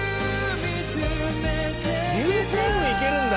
「流星群」いけるんだ。